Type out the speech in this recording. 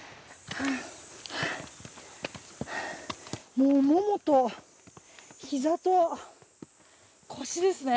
もうももと膝と腰ですね。